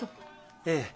ええ。